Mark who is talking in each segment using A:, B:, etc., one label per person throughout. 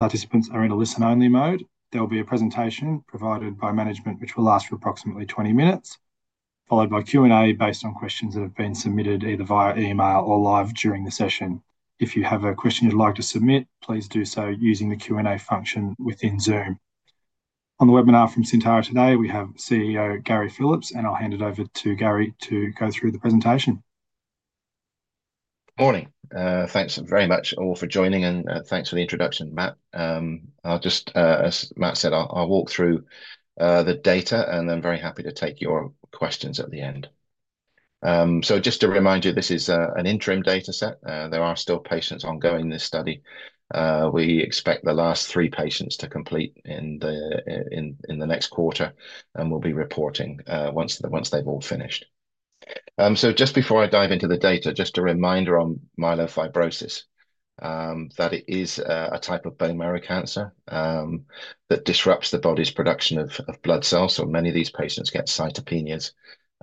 A: Participants are in a listen-only mode. There will be a presentation provided by management, which will last for approximately 20 minutes, followed by Q&A based on questions that have been submitted either via email or live during the session. If you have a question you'd like to submit, please do so using the Q&A function within Zoom. On the webinar from Syntara today, we have CEO Gary Phillips, and I'll hand it over to Gary to go through the presentation.
B: Good morning. Thanks very much all for joining, and thanks for the introduction, Matt. I'll just, as Matt said, I'll walk through the data, and then I'm very happy to take your questions at the end. Just to remind you, this is an interim data set. There are still patients ongoing in this study. We expect the last three patients to complete in the next quarter, and we'll be reporting once they've all finished. Just before I dive into the data, just a reminder on myelofibrosis, that it is a type of bone marrow cancer that disrupts the body's production of blood cells. Many of these patients get cytopenias,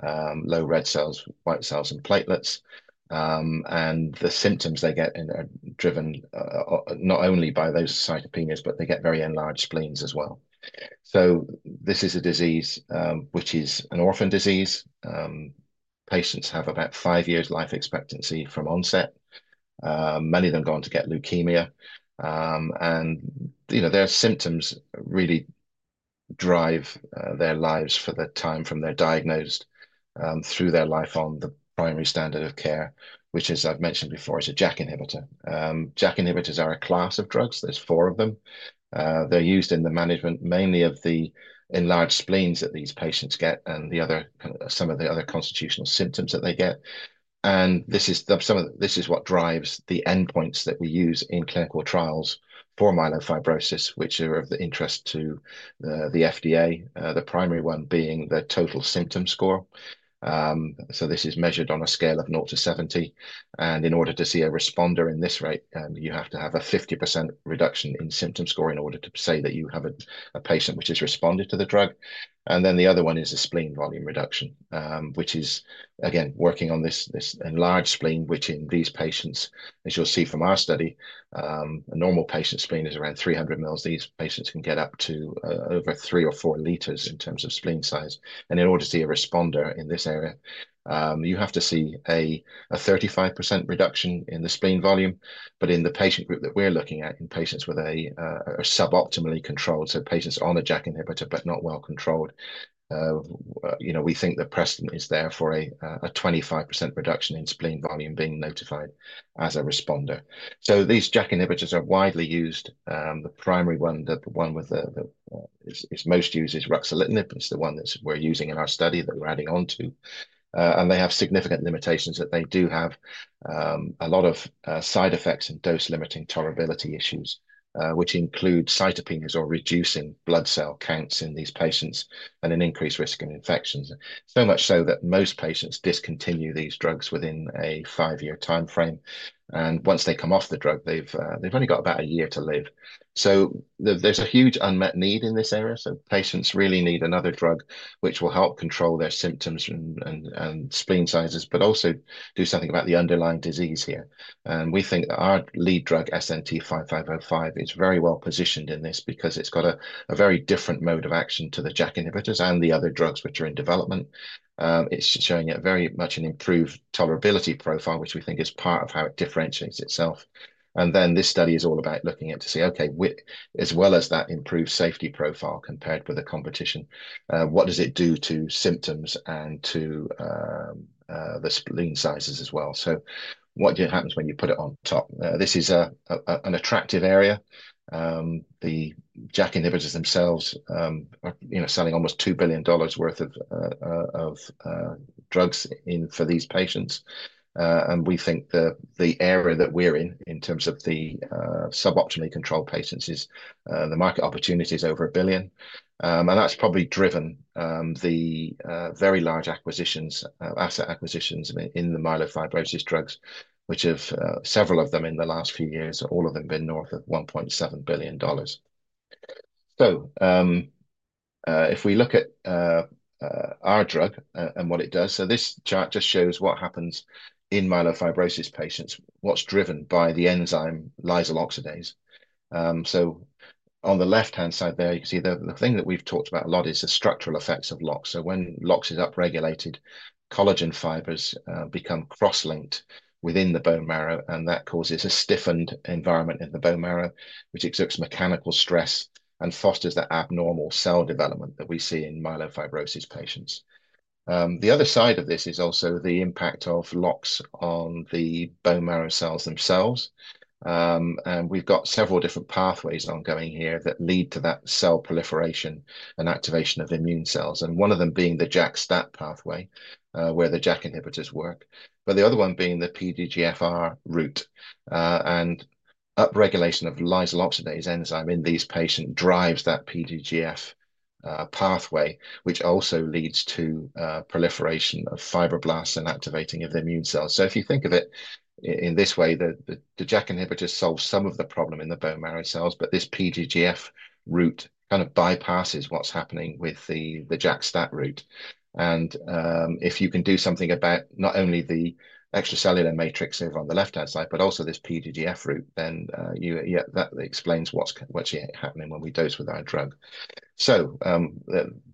B: low red cells, white cells, and platelets. The symptoms they get are driven not only by those cytopenias, but they get very enlarged spleens as well. This is a disease which is an orphan disease. Patients have about five years' life expectancy from onset. Many of them go on to get leukemia. Their symptoms really drive their lives for the time from they're diagnosed through their life on the primary standard of care, which, as I've mentioned before, is a JAK inhibitor. JAK inhibitors are a class of drugs. There are four of them. They're used in the management mainly of the enlarged spleens that these patients get and some of the other constitutional symptoms that they get. This is what drives the endpoints that we use in clinical trials for myelofibrosis, which are of interest to the FDA, the primary one being the total symptom score. This is measured on a scale of 0-70. In order to see a responder in this rate, you have to have a 50% reduction in symptom score in order to say that you have a patient which has responded to the drug. The other one is the spleen volume reduction, which is, again, working on this enlarged spleen, which in these patients, as you'll see from our study, a normal patient's spleen is around 300 ml. These patients can get up to over 3 or 4 liters in terms of spleen size. In order to see a responder in this area, you have to see a 35% reduction in the spleen volume. In the patient group that we're looking at, in patients with a suboptimally controlled—so patients on a JAK inhibitor but not well controlled—we think the precedent is there for a 25% reduction in spleen volume being notified as a responder. These JAK inhibitors are widely used. The primary one, the one that is most used, is ruxolitinib. It's the one that we're using in our study that we're adding on to. They have significant limitations that they do have a lot of side effects and dose-limiting tolerability issues, which include cytopenias or reducing blood cell counts in these patients and an increased risk of infections. Much so that most patients discontinue these drugs within a five-year time frame. Once they come off the drug, they've only got about a year to live. There's a huge unmet need in this area. Patients really need another drug which will help control their symptoms and spleen sizes, but also do something about the underlying disease here. We think our lead drug, SNT-5505, is very well positioned in this because it's got a very different mode of action to the JAK inhibitors and the other drugs which are in development. It's showing a very much improved tolerability profile, which we think is part of how it differentiates itself. This study is all about looking at to see, okay, as well as that improved safety profile compared with the competition, what does it do to symptoms and to the spleen sizes as well? What happens when you put it on top? This is an attractive area. The JAK inhibitors themselves are selling almost $2 billion worth of drugs for these patients. We think the area that we're in, in terms of the suboptimally controlled patients, is the market opportunity is over a billion. That's probably driven the very large asset acquisitions in the myelofibrosis drugs, which have several of them in the last few years, all of them been north of $1.7 billion. If we look at our drug and what it does, this chart just shows what happens in myelofibrosis patients, what's driven by the enzyme Lysyl oxidase. On the left-hand side there, you can see the thing that we've talked about a lot is the structural effects of LOX. When LOX is upregulated, collagen fibers become cross-linked within the bone marrow, and that causes a stiffened environment in the bone marrow, which exerts mechanical stress and fosters the abnormal cell development that we see in myelofibrosis patients. The other side of this is also the impact of LOX on the bone marrow cells themselves. We have several different pathways ongoing here that lead to that cell proliferation and activation of immune cells, one of them being the JAK-STAT pathway, where the JAK inhibitors work. The other one is the PDGFR route. Upregulation of Lysyl oxidase enzyme in these patients drives that PDGF pathway, which also leads to proliferation of fibroblasts and activation of the immune cells. If you think of it in this way, the JAK inhibitors solve some of the problem in the bone marrow cells, but this PDGF route kind of bypasses what's happening with the JAK-STAT route. If you can do something about not only the extracellular matrix over on the left-hand side, but also this PDGF route, that explains what's happening when we dose with our drug.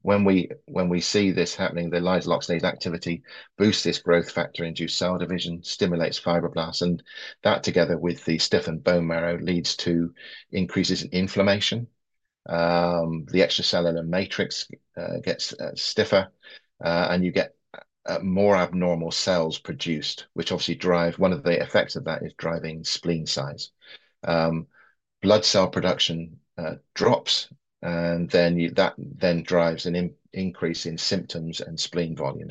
B: When we see this happening, the Lysyl oxidase activity boosts this growth factor, induces cell division, stimulates fibroblasts, and that together with the stiffened bone marrow leads to increases in inflammation. The extracellular matrix gets stiffer, and you get more abnormal cells produced, which obviously drives one of the effects of that is driving spleen size. Blood cell production drops, and then that then drives an increase in symptoms and spleen volume.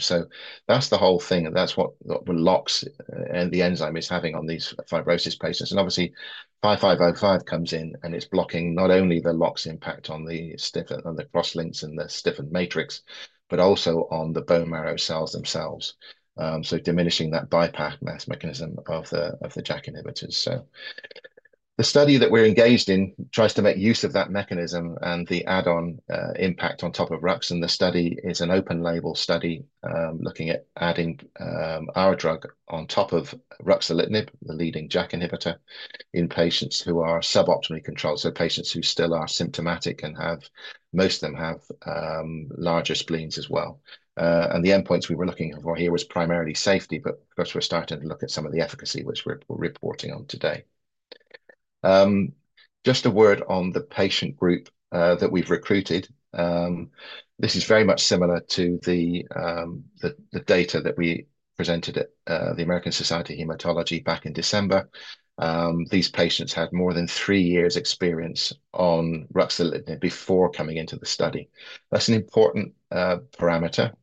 B: That is the whole thing. That is what LOX and the enzyme is having on these fibrosis patients. Obviously, 5505 comes in, and it is blocking not only the LOX impact on the cross-links and the stiffened matrix, but also on the bone marrow cells themselves. Diminishing that bypass mass mechanism of the JAK inhibitors. The study that we are engaged in tries to make use of that mechanism and the add-on impact on top of RUX. The study is an open-label study looking at adding our drug on top of ruxolitinib, the leading JAK inhibitor, in patients who are suboptimally controlled, so patients who still are symptomatic and most of them have larger spleens as well. The endpoints we were looking for here was primarily safety, but of course, we're starting to look at some of the efficacy, which we're reporting on today. Just a word on the patient group that we've recruited. This is very much similar to the data that we presented at the American Society of Hematology back in December. These patients had more than three years' experience on ruxolitinib before coming into the study. That's an important parameter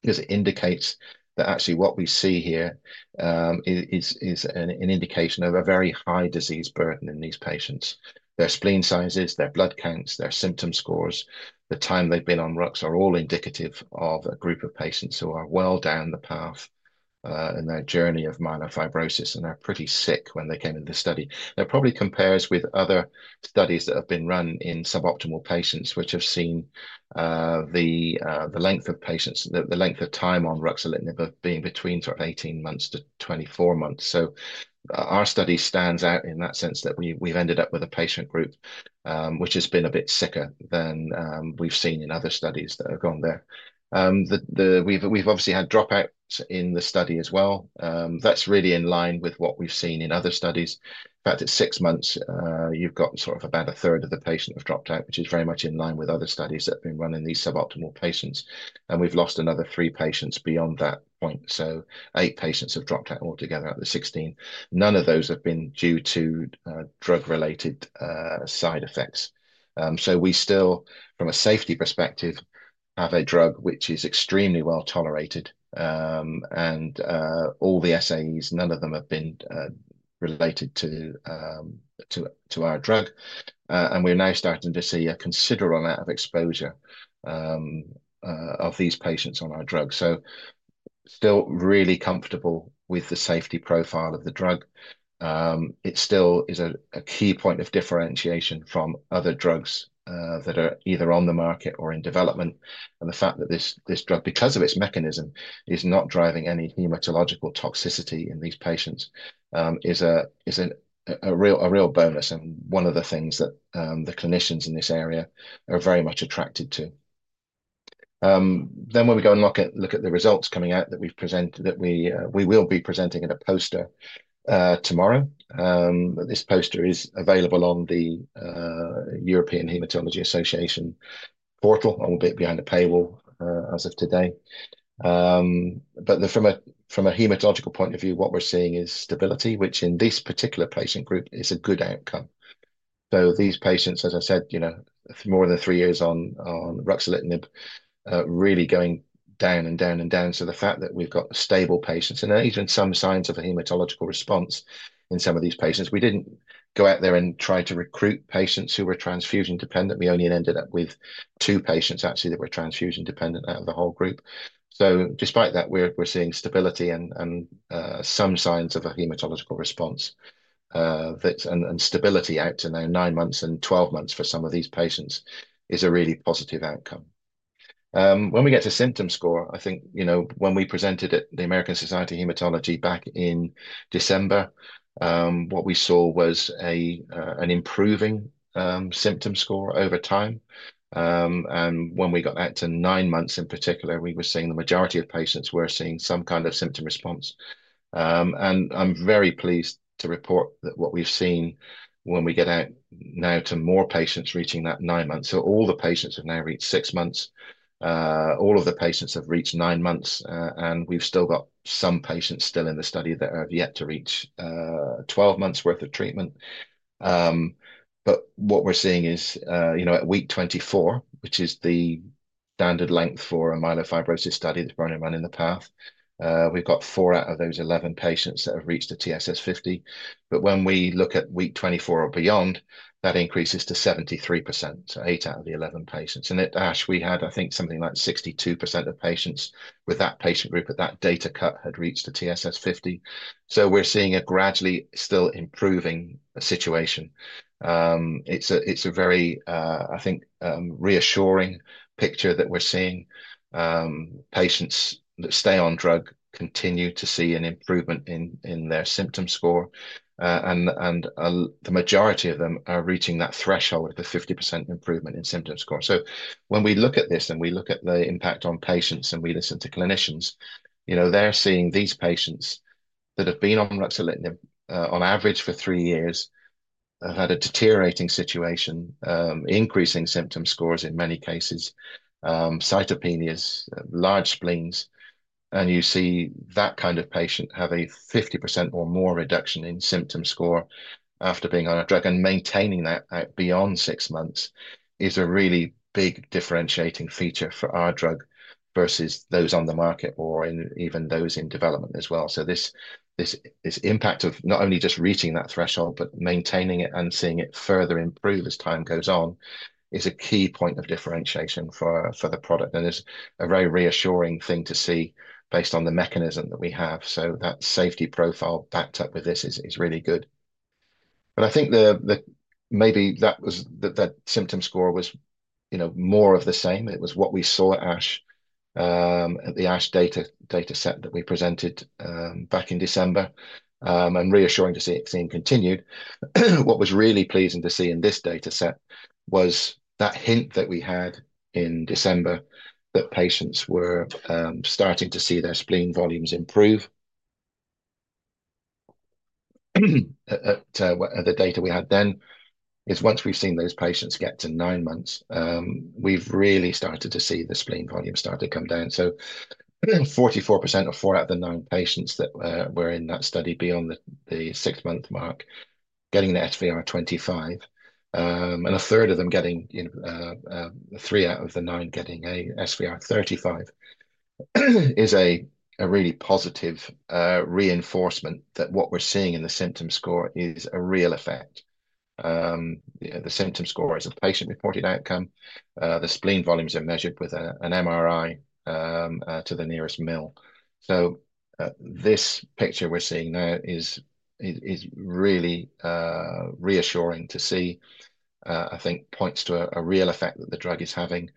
B: because it indicates that actually what we see here is an indication of a very high disease burden in these patients. Their spleen sizes, their blood counts, their symptom scores, the time they've been on RUX are all indicative of a group of patients who are well down the path in their journey of myelofibrosis and are pretty sick when they came into the study. That probably compares with other studies that have been run in suboptimal patients, which have seen the length of patients, the length of time on ruxolitinib being between 18-24 months. Our study stands out in that sense that we've ended up with a patient group which has been a bit sicker than we've seen in other studies that have gone there. We've obviously had dropouts in the study as well. That's really in line with what we've seen in other studies. In fact, at six months, you've got sort of about a third of the patients who have dropped out, which is very much in line with other studies that have been run in these suboptimal patients. We've lost another three patients beyond that point. Eight patients have dropped out altogether out of the 16. None of those have been due to drug-related side effects. We still, from a safety perspective, have a drug which is extremely well tolerated. All the SAEs, none of them have been related to our drug. We're now starting to see a considerable amount of exposure of these patients on our drug. Still really comfortable with the safety profile of the drug. It still is a key point of differentiation from other drugs that are either on the market or in development. The fact that this drug, because of its mechanism, is not driving any hematological toxicity in these patients is a real bonus and one of the things that the clinicians in this area are very much attracted to. When we go and look at the results coming out that we will be presenting in a poster tomorrow, this poster is available on the European Hematology Association portal. It will be behind the paywall as of today. From a hematological point of view, what we are seeing is stability, which in this particular patient group is a good outcome. These patients, as I said, more than three years on ruxolitinib, really going down and down and down. The fact that we have got stable patients and even some signs of a hematological response in some of these patients. We didn't go out there and try to recruit patients who were transfusion dependent. We only ended up with two patients actually that were transfusion dependent out of the whole group. Despite that, we're seeing stability and some signs of a hematological response. Stability out to now nine months and 12 months for some of these patients is a really positive outcome. When we get to symptom score, I think when we presented at the American Society of Hematology back in December, what we saw was an improving symptom score over time. When we got out to nine months in particular, we were seeing the majority of patients were seeing some kind of symptom response. I'm very pleased to report that what we've seen when we get out now to more patients reaching that nine months. All the patients have now reached six months. All of the patients have reached nine months. We have still got some patients still in the study that have yet to reach 12 months' worth of treatment. What we are seeing is at week 24, which is the standard length for a myelofibrosis study that has been run in the past, we have got four out of those 11 patients that have reached the TSS50. When we look at week 24 or beyond, that increases to 73%, so eight out of the 11 patients. At ASH, we had, I think, something like 62% of patients with that patient group at that data cut had reached the TSS50. We are seeing a gradually still improving situation. It is a very, I think, reassuring picture that we are seeing. Patients that stay on drug continue to see an improvement in their symptom score. The majority of them are reaching that threshold of the 50% improvement in symptom score. When we look at this and we look at the impact on patients and we listen to clinicians, they're seeing these patients that have been on ruxolitinib on average for three years have had a deteriorating situation, increasing symptom scores in many cases, cytopenias, large spleens. You see that kind of patient have a 50% or more reduction in symptom score after being on a drug and maintaining that beyond six months is a really big differentiating feature for our drug versus those on the market or even those in development as well. This impact of not only just reaching that threshold, but maintaining it and seeing it further improve as time goes on is a key point of differentiation for the product. It is a very reassuring thing to see based on the mechanism that we have. That safety profile backed up with this is really good. I think maybe that symptom score was more of the same. It was what we saw at ASH, the ASH data set that we presented back in December. Reassuring to see it continued. What was really pleasing to see in this data set was that hint that we had in December that patients were starting to see their spleen volumes improve. The data we had then is once we have seen those patients get to nine months, we have really started to see the spleen volume start to come down. 44% or four out of the nine patients that were in that study beyond the six-month mark getting the SVR 25. A third of them, three out of the nine, getting an SVR 35 is a really positive reinforcement that what we're seeing in the symptom score is a real effect. The symptom score is a patient-reported outcome. The spleen volumes are measured with an MRI to the nearest mill. This picture we're seeing now is really reassuring to see, I think, points to a real effect that the drug is having.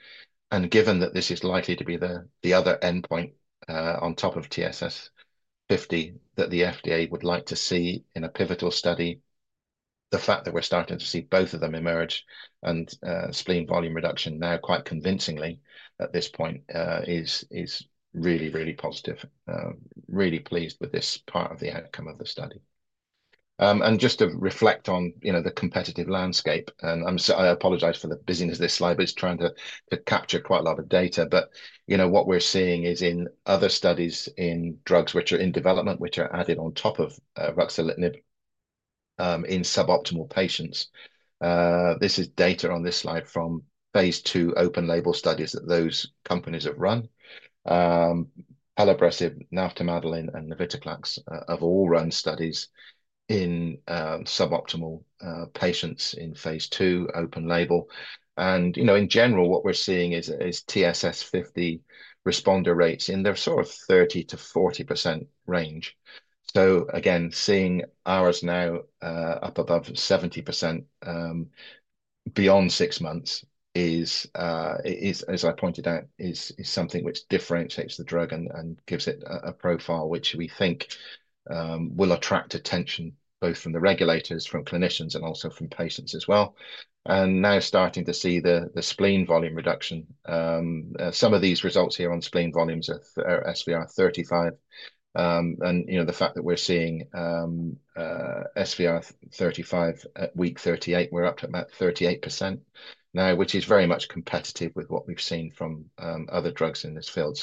B: Given that this is likely to be the other endpoint on top of TSS50 that the FDA would like to see in a pivotal study, the fact that we're starting to see both of them emerge and spleen volume reduction now quite convincingly at this point is really, really positive. Really pleased with this part of the outcome of the study. Just to reflect on the competitive landscape, I apologize for the busyness of this slide, but it is trying to capture quite a lot of data. What we are seeing is in other studies in drugs which are in development, which are added on top of ruxolitinib in suboptimal patients. This is data on this slide from phase II open-label studies that those companies have run. Pelabresib, navtemadlin, and navitoclax have all run studies in suboptimal patients in phase II open-label. In general, what we are seeing is TSS50 responder rates in the sort of 30%-40% range. Again, seeing ours now up above 70% beyond six months, as I pointed out, is something which differentiates the drug and gives it a profile which we think will attract attention both from the regulators, from clinicians, and also from patients as well. Now starting to see the spleen volume reduction. Some of these results here on spleen volumes are SVR 35. The fact that we're seeing SVR 35 at week 38, we're up to about 38% now, which is very much competitive with what we've seen from other drugs in this field.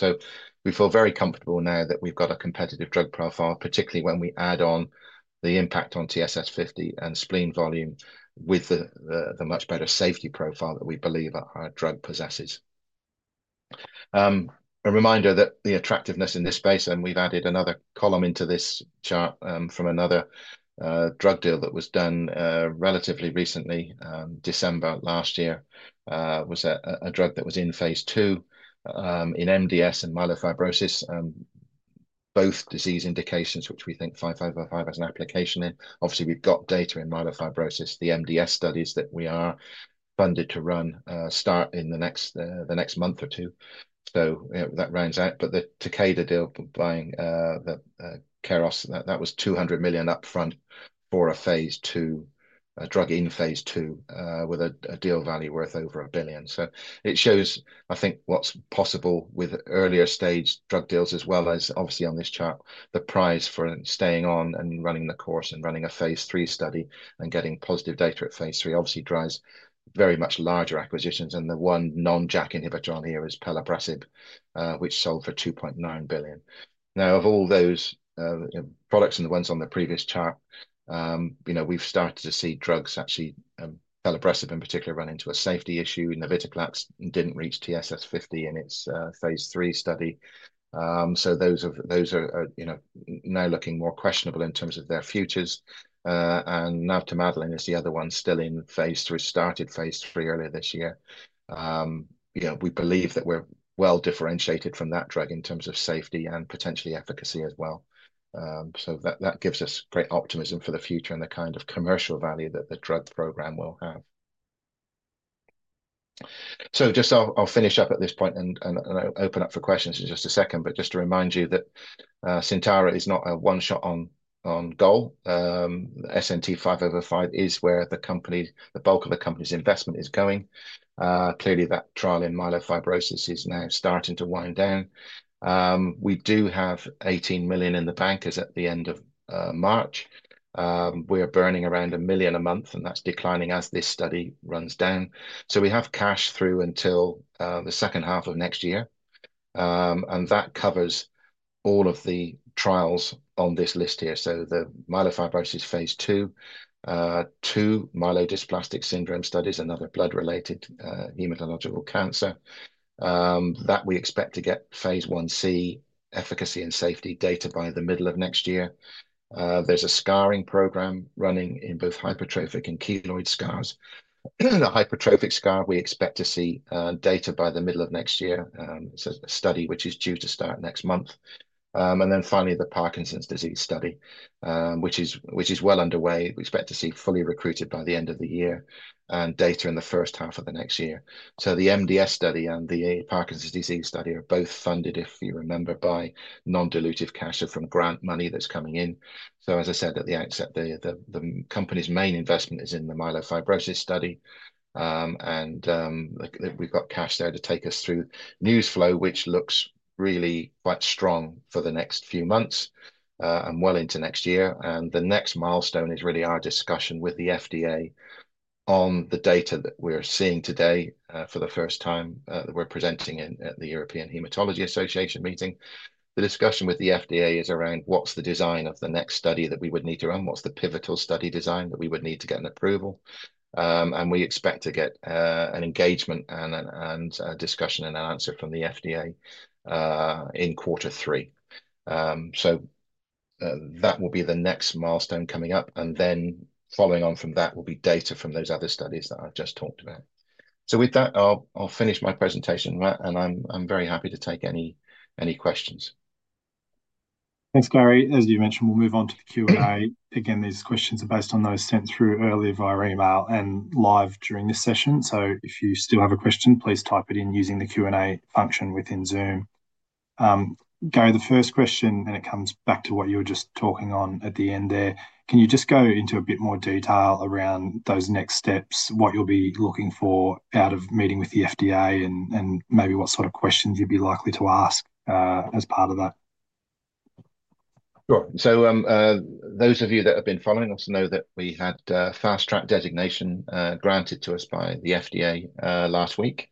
B: We feel very comfortable now that we've got a competitive drug profile, particularly when we add on the impact on TSS50 and spleen volume with the much better safety profile that we believe our drug possesses. A reminder that the attractiveness in this space, and we've added another column into this chart from another drug deal that was done relatively recently, December last year, was a drug that was in phase II in MDS and myelofibrosis, both disease indications, which we think 5505 has an application in. Obviously, we've got data in myelofibrosis, the MDS studies that we are funded to run start in the next month or two. That rounds out. The Takeda deal buying the Keros, that was $200 million upfront for a drug in phase II with a deal value worth over $1 billion. It shows, I think, what's possible with earlier stage drug deals, as well as obviously on this chart, the price for staying on and running the course and running a phase III study and getting positive data at phase III obviously drives very much larger acquisitions. The one non-JAK inhibitor on here is pelabresib, which sold for $2.9 billion. Now, of all those products and the ones on the previous chart, we've started to see drugs actually, pelabresib in particular, run into a safety issue. Navitoclax did not reach TSS50 in its phase III study. Those are now looking more questionable in terms of their futures. And navtemadlin is the other one still in phase III, started phase III earlier this year. We believe that we're well differentiated from that drug in terms of safety and potentially efficacy as well. That gives us great optimism for the future and the kind of commercial value that the drug program will have. I'll finish up at this point and open up for questions in just a second. Just to remind you that Syntara is not a one-shot on goal. SNT-5505 is where the company, the bulk of the company's investment is going. Clearly, that trial in myelofibrosis is now starting to wind down. We do have $18 million in the bank as at the end of March. We are burning around $1 million a month, and that's declining as this study runs down. We have cash through until the second half of next year. That covers all of the trials on this list here. The myelofibrosis phase II, two myelodysplastic syndrome studies, another blood-related hematological cancer that we expect to get phase one C efficacy and safety data by the middle of next year. There is a scarring program running in both hypertrophic and keloid scars. The hypertrophic scar, we expect to see data by the middle of next year. It is a study which is due to start next month. Finally, the Parkinson's disease study, which is well underway, we expect to see fully recruited by the end of the year and data in the first half of the next year. The MDS study and the Parkinson's disease study are both funded, if you remember, by non-dilutive cash from grant money that's coming in. As I said at the outset, the company's main investment is in the myelofibrosis study. We've got cash there to take us through news flow, which looks really quite strong for the next few months and well into next year. The next milestone is really our discussion with the FDA on the data that we're seeing today for the first time that we're presenting at the European Hematology Association meeting. The discussion with the FDA is around what's the design of the next study that we would need to run, what's the pivotal study design that we would need to get an approval. We expect to get an engagement and a discussion and an answer from the FDA in quarter three. That will be the next milestone coming up. Following on from that will be data from those other studies that I've just talked about. With that, I'll finish my presentation, Matt, and I'm very happy to take any questions.
A: Thanks, Gary. As you mentioned, we'll move on to the Q&A. Again, these questions are based on those sent through earlier via email and live during this session. If you still have a question, please type it in using the Q&A function within Zoom. Gary, the first question, and it comes back to what you were just talking on at the end there, can you just go into a bit more detail around those next steps, what you'll be looking for out of meeting with the FDA, and maybe what sort of questions you'd be likely to ask as part of that?
B: Sure. Those of you that have been following us know that we had fast-track designation granted to us by the FDA last week,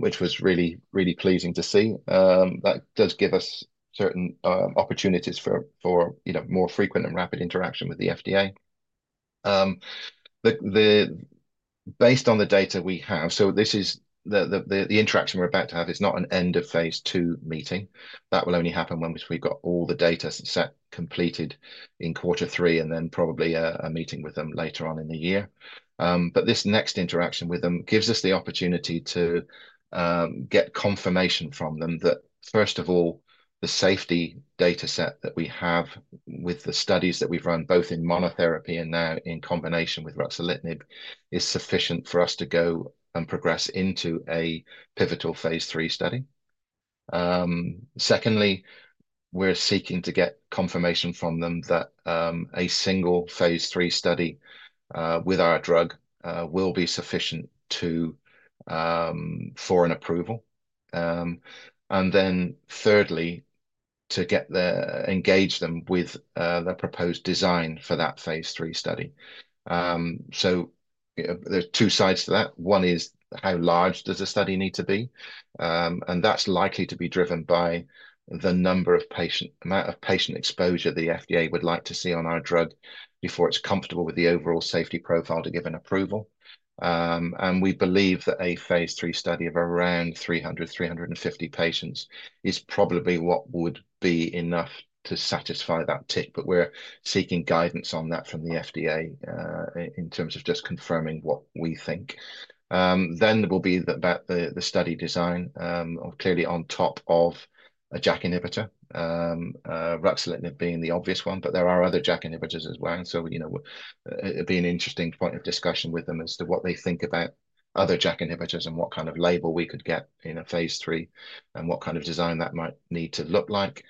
B: which was really, really pleasing to see. That does give us certain opportunities for more frequent and rapid interaction with the FDA. Based on the data we have, this is the interaction we're about to have, it's not an end of phase II meeting. That will only happen once we've got all the data set completed in quarter three and then probably a meeting with them later on in the year. This next interaction with them gives us the opportunity to get confirmation from them that, first of all, the safety data set that we have with the studies that we've run both in monotherapy and now in combination with ruxolitinib is sufficient for us to go and progress into a pivotal phase III study. Secondly, we're seeking to get confirmation from them that a single phase III study with our drug will be sufficient for an approval. Thirdly, to engage them with the proposed design for that phase III study. There are two sides to that. One is how large does the study need to be? That's likely to be driven by the number of patient exposure the FDA would like to see on our drug before it's comfortable with the overall safety profile to give an approval. We believe that a phase III study of around 300-350 patients is probably what would be enough to satisfy that tick. We're seeking guidance on that from the FDA in terms of just confirming what we think. There will be the study design clearly on top of a JAK inhibitor, ruxolitinib being the obvious one, but there are other JAK inhibitors as well. It'd be an interesting point of discussion with them as to what they think about other JAK inhibitors and what kind of label we could get in a phase III and what kind of design that might need to look like.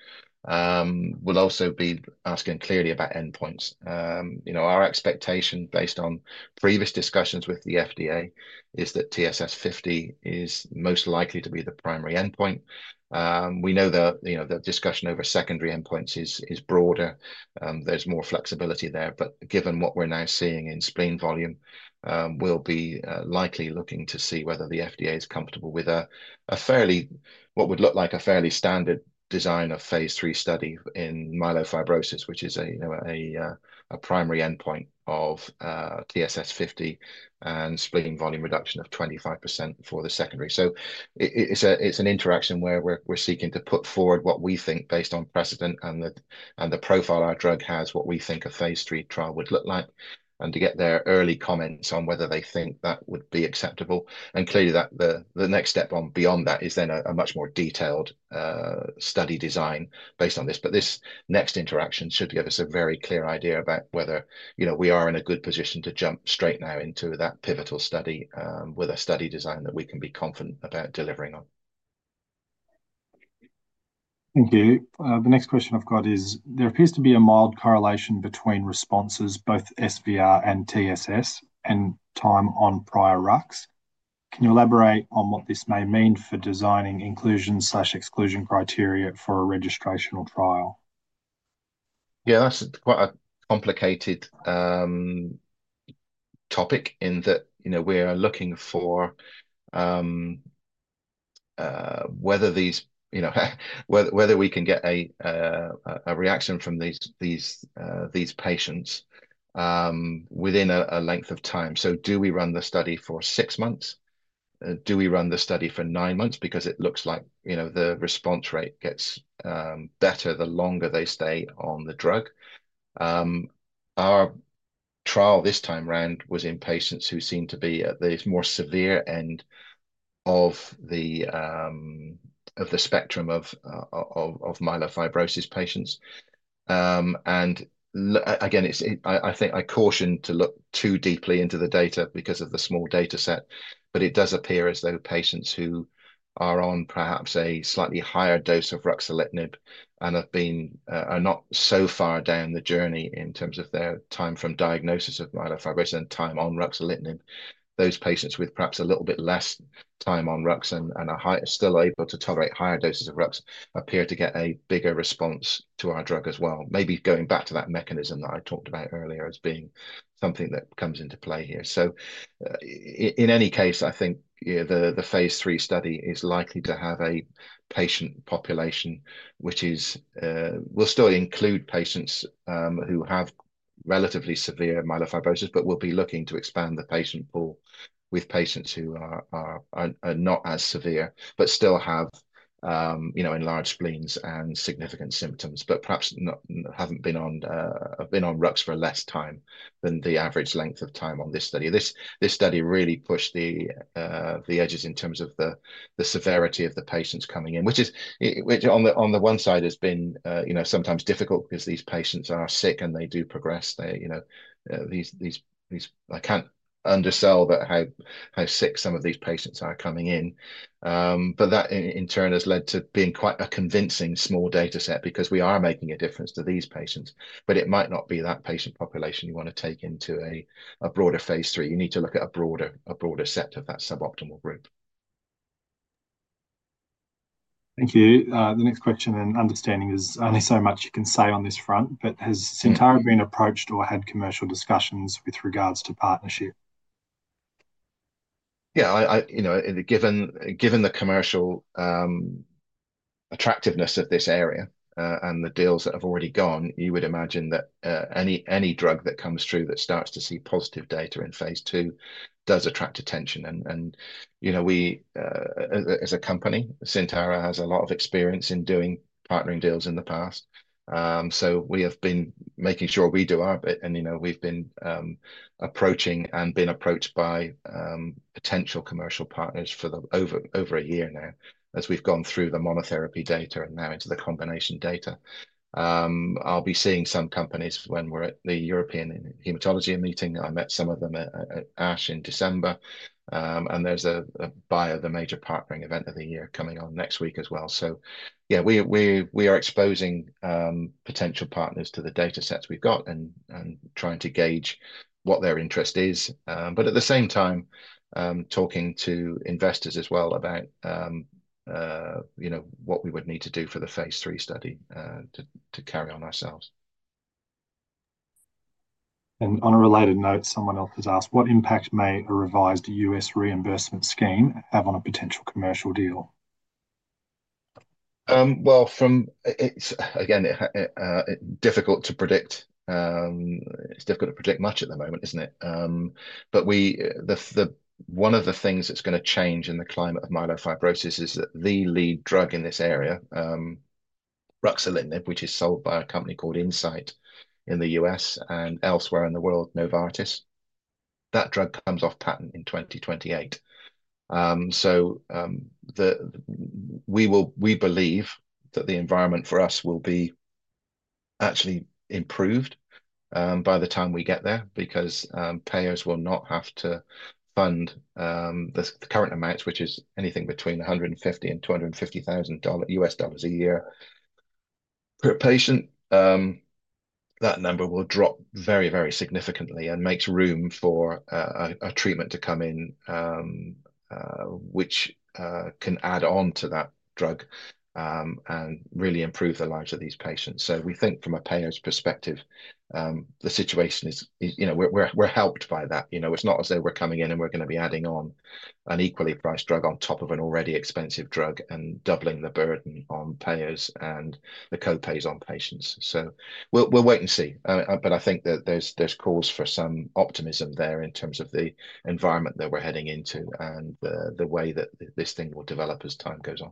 B: We'll also be asking clearly about endpoints. Our expectation based on previous discussions with the FDA is that TSS50 is most likely to be the primary endpoint. We know that the discussion over secondary endpoints is broader. There's more flexibility there. Given what we're now seeing in spleen volume, we'll be likely looking to see whether the FDA is comfortable with what would look like a fairly standard design of phase III study in myelofibrosis, which is a primary endpoint of TSS50 and spleen volume reduction of 25% for the secondary. It is an interaction where we're seeking to put forward what we think based on precedent and the profile our drug has, what we think a phase III trial would look like, and to get their early comments on whether they think that would be acceptable. Clearly, the next step beyond that is then a much more detailed study design based on this. This next interaction should give us a very clear idea about whether we are in a good position to jump straight now into that pivotal study with a study design that we can be confident about delivering on.
A: Thank you. The next question I've got is, there appears to be a mild correlation between responses, both SVR and TSS, and time on prior RUX. Can you elaborate on what this may mean for designing inclusion/exclusion criteria for a registrational trial?
B: Yeah, that's quite a complicated topic in that we are looking for whether we can get a reaction from these patients within a length of time. Do we run the study for six months? Do we run the study for nine months? Because it looks like the response rate gets better the longer they stay on the drug. Our trial this time round was in patients who seem to be at the more severe end of the spectrum of myelofibrosis patients. I think I caution to look too deeply into the data because of the small data set, but it does appear as though patients who are on perhaps a slightly higher dose of ruxolitinib and are not so far down the journey in terms of their time from diagnosis of myelofibrosis and time on ruxolitinib, those patients with perhaps a little bit less time on RUX and still able to tolerate higher doses of RUX appear to get a bigger response to our drug as well. Maybe going back to that mechanism that I talked about earlier as being something that comes into play here. In any case, I think the phase III study is likely to have a patient population which will still include patients who have relatively severe myelofibrosis, but we'll be looking to expand the patient pool with patients who are not as severe but still have enlarged spleens and significant symptoms, but perhaps have been on RUX for less time than the average length of time on this study. This study really pushed the edges in terms of the severity of the patients coming in, which on the one side has been sometimes difficult because these patients are sick and they do progress. I can't undersell how sick some of these patients are coming in. That in turn has led to being quite a convincing small data set because we are making a difference to these patients, but it might not be that patient population you want to take into a broader phase III. You need to look at a broader set of that suboptimal group.
A: Thank you. The next question and understanding is only so much you can say on this front, but has Syntara been approached or had commercial discussions with regards to partnership?
B: Yeah, given the commercial attractiveness of this area and the deals that have already gone, you would imagine that any drug that comes through that starts to see positive data in phase II does attract attention. As a company, Syntara has a lot of experience in doing partnering deals in the past. We have been making sure we do our bit. We have been approaching and been approached by potential commercial partners for over a year now as we have gone through the monotherapy data and now into the combination data. I will be seeing some companies when we are at the European Hematology meeting. I met some of them at ASH in December. There is a BIO, the major partnering event of the year, coming on next week as well. Yes, we are exposing potential partners to the data sets we have got and trying to gauge what their interest is. At the same time, we are talking to investors as well about what we would need to do for the phase III study to carry on ourselves.
A: On a related note, someone else has asked, what impact may a revised US Reimbursement Scheme have on a potential commercial deal?
B: Again, difficult to predict. It's difficult to predict much at the moment, isn't it? One of the things that's going to change in the climate of myelofibrosis is that the lead drug in this area, ruxolitinib, which is sold by a company called Incyte in the U.S. and elsewhere in the world, Novartis, that drug comes off patent in 2028. We believe that the environment for us will be actually improved by the time we get there because payers will not have to fund the current amounts, which is anything between $150,000 and $250,000 a year per patient. That number will drop very, very significantly and makes room for a treatment to come in which can add on to that drug and really improve the lives of these patients. We think from a payer's perspective, the situation is we're helped by that. It's not as though we're coming in and we're going to be adding on an equally priced drug on top of an already expensive drug and doubling the burden on payers and the co-pays on patients. We'll wait and see. I think that there's cause for some optimism there in terms of the environment that we're heading into and the way that this thing will develop as time goes on.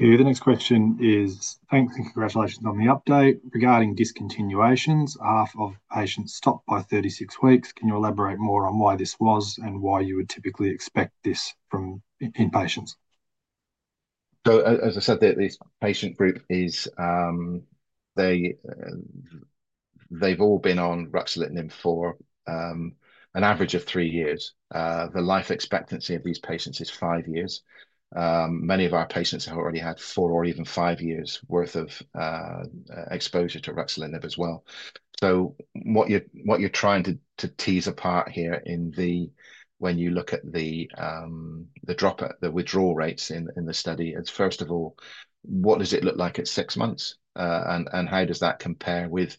A: Okay, the next question is, thanks and congratulations on the update. Regarding discontinuations, half of patients stopped by 36 weeks. Can you elaborate more on why this was and why you would typically expect this from inpatients?
B: As I said, this patient group, they've all been on ruxolitinib for an average of three years. The life expectancy of these patients is five years. Many of our patients have already had four or even five years' worth of exposure to ruxolitinib as well. So what you're trying to tease apart here when you look at the drop, the withdrawal rates in the study is, first of all, what does it look like at six months? And how does that compare with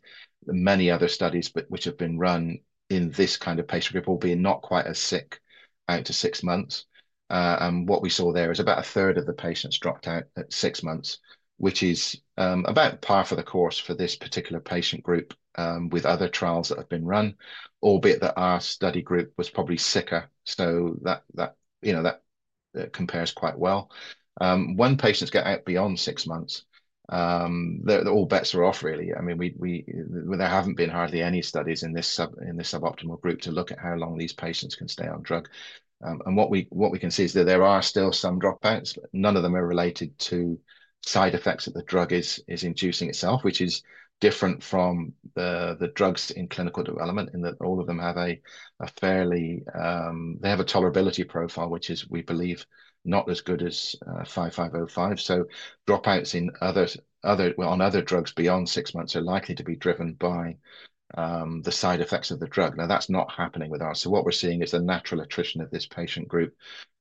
B: many other studies which have been run in this kind of patient group, all being not quite as sick out to six months? And what we saw there is about a third of the patients dropped out at six months, which is about par for the course for this particular patient group with other trials that have been run. All bet that our study group was probably sicker. So that compares quite well. When patients get out beyond six months, all bets are off, really. I mean, there haven't been hardly any studies in this suboptimal group to look at how long these patients can stay on drug. What we can see is that there are still some dropouts. None of them are related to side effects that the drug is inducing itself, which is different from the drugs in clinical development in that all of them have a fairly, they have a tolerability profile, which is, we believe, not as good as 5505. Dropouts on other drugs beyond six months are likely to be driven by the side effects of the drug. Now, that's not happening with us. What we're seeing is a natural attrition of this patient group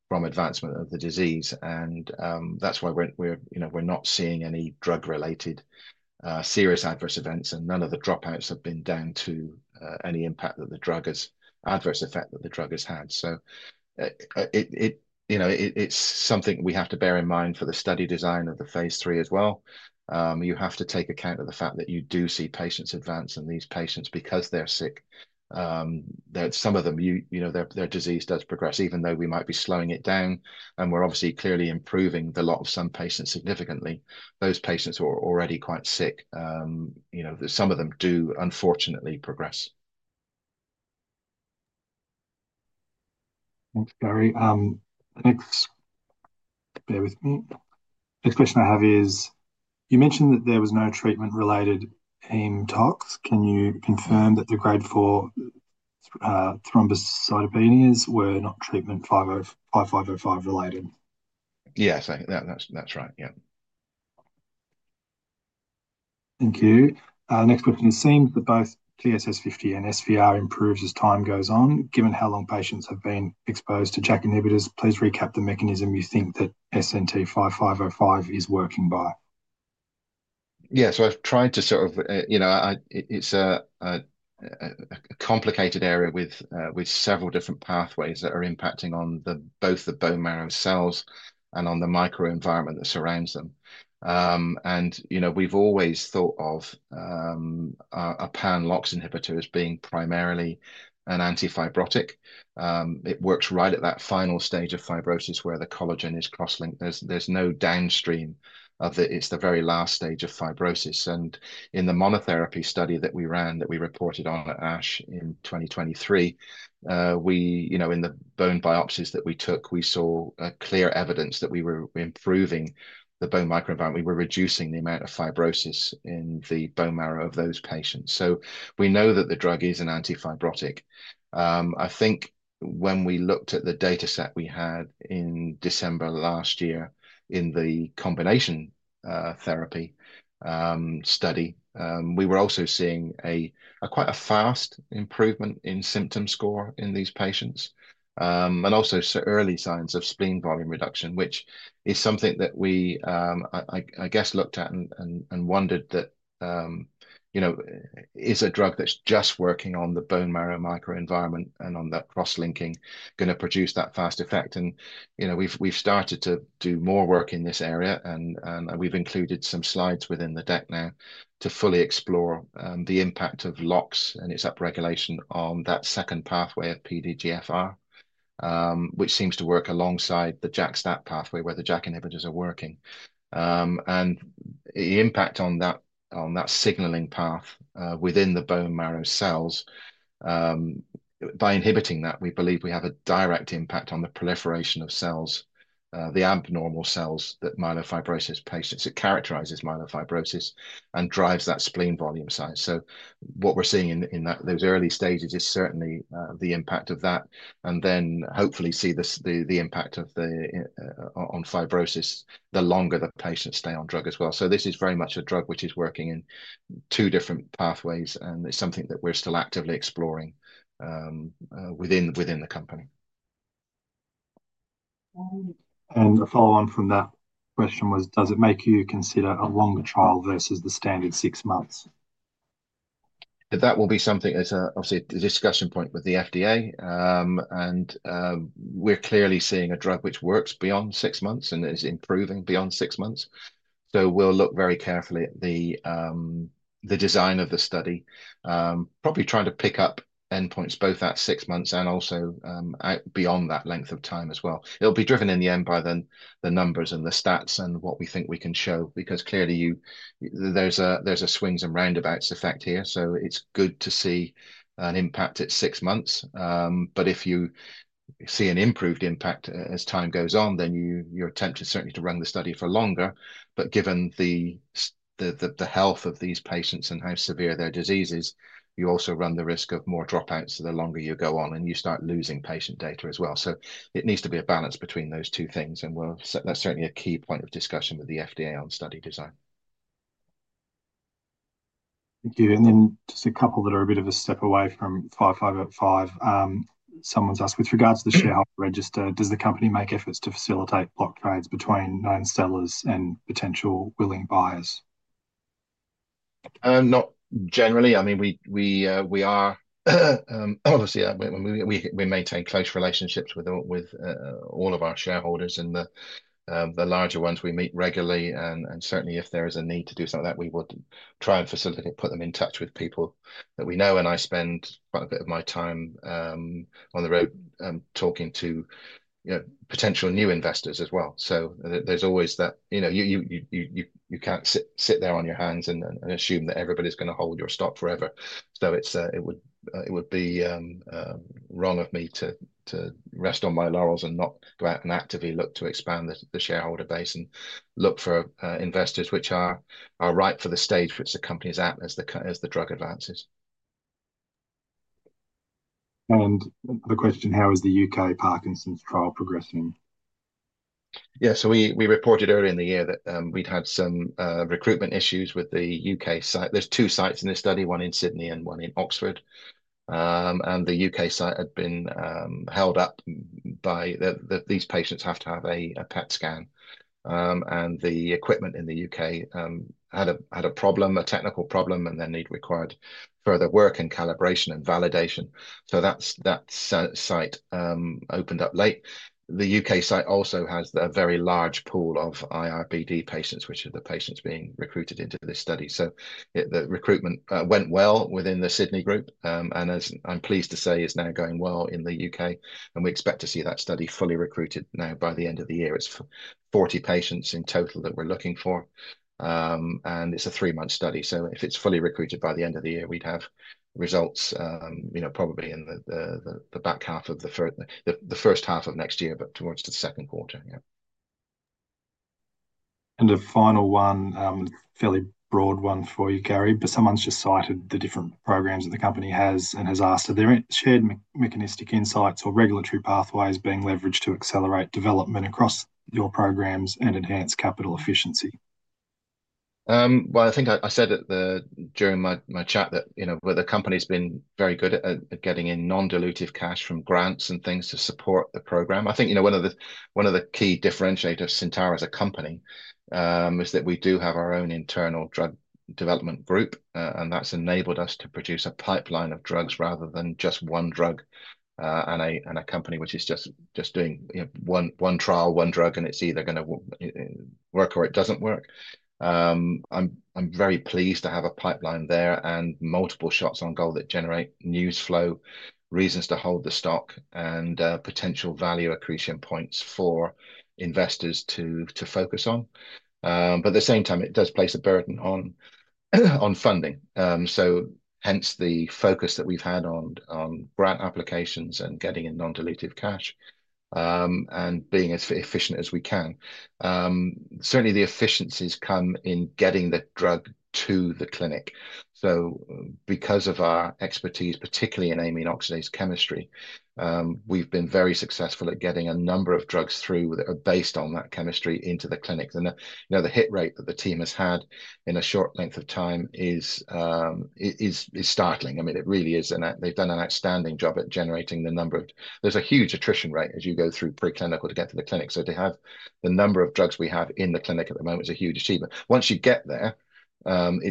B: from advancement of the disease. That's why we're not seeing any drug-related serious adverse events. None of the dropouts have been down to any impact that the drug has, adverse effect that the drug has had. It is something we have to bear in mind for the study design of the phase III as well. You have to take account of the fact that you do see patients advance in these patients because they are sick. Some of them, their disease does progress. Even though we might be slowing it down and we are obviously clearly improving the lot of some patients significantly, those patients who are already quite sick, some of them do unfortunately progress.
A: Thanks, Gary. Next question I have is, you mentioned that there was no treatment-related hematological events. Can you confirm that the grade 4 thrombocytopenias were not treatment 5505 related?
B: Yes, that is right. Yeah.
A: Thank you. Next question is, seems that both TSS50 and SVR improves as time goes on. Given how long patients have been exposed to JAK inhibitors, please recap the mechanism you think that SNT-5505 is working by.
B: Yeah, so I've tried to sort of it's a complicated area with several different pathways that are impacting on both the bone marrow cells and on the microenvironment that surrounds them. We've always thought of a pan-LOX inhibitor as being primarily an antifibrotic. It works right at that final stage of fibrosis where the collagen is cross-linked. There's no downstream of it. It's the very last stage of fibrosis. In the monotherapy study that we ran that we reported on at ASH in 2023, in the bone biopsies that we took, we saw clear evidence that we were improving the bone microenvironment. We were reducing the amount of fibrosis in the bone marrow of those patients. We know that the drug is an antifibrotic. I think when we looked at the data set we had in December last year in the combination therapy study, we were also seeing quite a fast improvement in symptom score in these patients and also early signs of spleen volume reduction, which is something that we, I guess, looked at and wondered that is a drug that's just working on the bone marrow microenvironment and on that cross-linking going to produce that fast effect. We have started to do more work in this area. We have included some slides within the deck now to fully explore the impact of LOX and its upregulation on that second pathway of PDGFR, which seems to work alongside the JAK-STAT pathway where the JAK inhibitors are working. The impact on that signaling path within the bone marrow cells, by inhibiting that, we believe we have a direct impact on the proliferation of cells, the abnormal cells that myelofibrosis patients characterize as myelofibrosis and drives that spleen volume size. What we're seeing in those early stages is certainly the impact of that and then hopefully see the impact on fibrosis the longer the patients stay on drug as well. This is very much a drug which is working in two different pathways. It's something that we're still actively exploring within the company.
A: A follow-on from that question was, does it make you consider a longer trial versus the standard six months?
B: That will be something that's obviously a discussion point with the FDA. We're clearly seeing a drug which works beyond six months and is improving beyond six months. We'll look very carefully at the design of the study, probably trying to pick up endpoints both at six months and also beyond that length of time as well. It'll be driven in the end by the numbers and the stats and what we think we can show because clearly there's a swings and roundabouts effect here. It's good to see an impact at six months. If you see an improved impact as time goes on, then your attempt is certainly to run the study for longer. Given the health of these patients and how severe their disease is, you also run the risk of more dropouts the longer you go on and you start losing patient data as well. It needs to be a balance between those two things. That's certainly a key point of discussion with the FDA on study design.
A: Thank you. And then just a couple that are a bit of a step away from 5505. Someone's asked, with regards to the shareholder register, does the company make efforts to facilitate block trades between known sellers and potential willing buyers?
B: Not generally. I mean, we obviously, we maintain close relationships with all of our shareholders and the larger ones we meet regularly. Certainly, if there is a need to do something like that, we would try and facilitate, put them in touch with people that we know. I spend quite a bit of my time on the road talking to potential new investors as well. There's always that you can't sit there on your hands and assume that everybody's going to hold your stock forever. It would be wrong of me to rest on my laurels and not go out and actively look to expand the shareholder base and look for investors which are right for the stage which the company is at as the drug advances.
A: The question, how is the U.K. Parkinson's trial progressing?
B: Yeah. We reported earlier in the year that we'd had some recruitment issues with the U.K. site. There are two sites in this study, one in Sydney and one in Oxford. The U.K. site had been held up because these patients have to have a PET scan. The equipment in the U.K. had a problem, a technical problem, and then it required further work and calibration and validation. That site opened up late. The U.K. site also has a very large pool of iRBD patients, which are the patients being recruited into this study. The recruitment went well within the Sydney group. I'm pleased to say it's now going well in the U.K. We expect to see that study fully recruited by the end of the year. It's 40 patients in total that we're looking for, and it's a three-month study. If it's fully recruited by the end of the year, we'd have results probably in the back half of the first half of next year, but towards the second quarter. Yeah.
A: The final one, fairly broad one for you, Gary, but someone's just cited the different programs that the company has and has asked, are there shared mechanistic insights or regulatory pathways being leveraged to accelerate development across your programs and enhance capital efficiency?
B: I think I said during my chat that the company's been very good at getting in non-dilutive cash from grants and things to support the program. I think one of the key differentiators of Syntara as a company is that we do have our own internal drug development group. That's enabled us to produce a pipeline of drugs rather than just one drug and a company which is just doing one trial, one drug, and it's either going to work or it doesn't work. I'm very pleased to have a pipeline there and multiple shots on goal that generate news flow, reasons to hold the stock, and potential value accretion points for investors to focus on. At the same time, it does place a burden on funding. Hence the focus that we've had on grant applications and getting in non-dilutive cash and being as efficient as we can. Certainly, the efficiencies come in getting the drug to the clinic. Because of our expertise, particularly in amino oxidase chemistry, we've been very successful at getting a number of drugs through that are based on that chemistry into the clinic. The hit rate that the team has had in a short length of time is startling. I mean, it really is. They've done an outstanding job at generating the number of, there's a huge attrition rate as you go through preclinical to get to the clinic. To have the number of drugs we have in the clinic at the moment is a huge achievement. Once you get there, then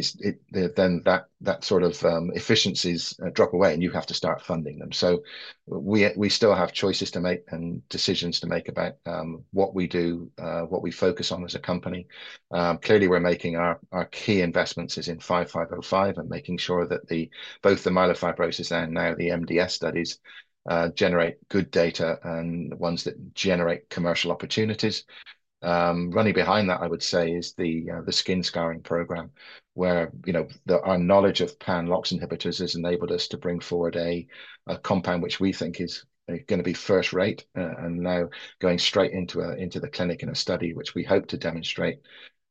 B: that sort of efficiencies drop away and you have to start funding them. We still have choices to make and decisions to make about what we do, what we focus on as a company. Clearly, we're making our key investments in 5505 and making sure that both the myelofibrosis and now the MDS studies generate good data and ones that generate commercial opportunities. Running behind that, I would say, is the skin scarring program where our knowledge of pan-LOX inhibitors has enabled us to bring forward a compound which we think is going to be first rate and now going straight into the clinic in a study which we hope to demonstrate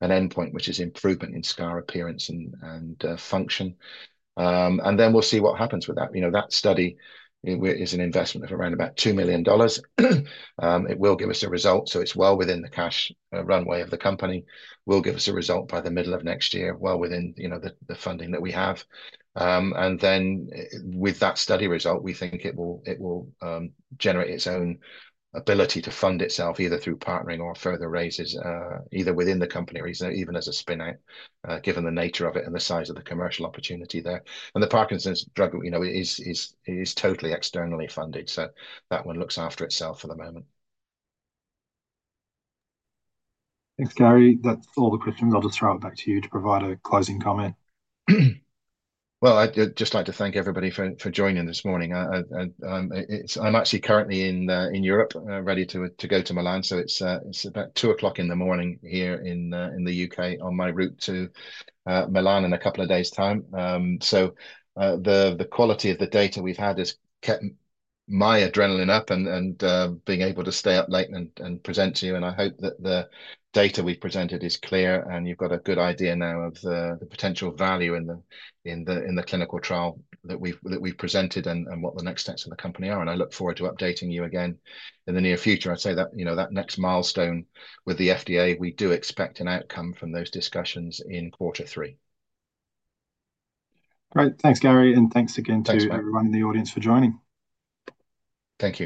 B: an endpoint which is improvement in scar appearance and function. Then we'll see what happens with that. That study is an investment of around about $2 million. It will give us a result. It is well within the cash runway of the company. We'll give us a result by the middle of next year, well within the funding that we have. With that study result, we think it will generate its own ability to fund itself either through partnering or further raises either within the company or even as a spin-out, given the nature of it and the size of the commercial opportunity there. The Parkinson's drug is totally externally funded. That one looks after itself for the moment.
A: Thanks, Gary. That's all the questions. I'll just throw it back to you to provide a closing comment.
B: I'd just like to thank everybody for joining this morning. I'm actually currently in Europe, ready to go to Milan. It's about 2:00 A.M. here in the U.K. on my route to Milan in a couple of days' time. The quality of the data we've had has kept my adrenaline up and being able to stay up late and present to you. I hope that the data we've presented is clear and you've got a good idea now of the potential value in the clinical trial that we've presented and what the next steps of the company are. I look forward to updating you again in the near future. I'd say that next milestone with the FDA, we do expect an outcome from those discussions in quarter three.
A: Great. Thanks, Gary. Thanks again to everyone in the audience for joining.
B: Thank you.